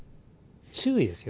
注意ですよね。